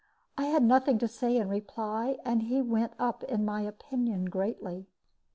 I had nothing to say in reply, and he went up in my opinion greatly.